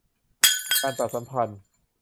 การตัดสัมพันธ์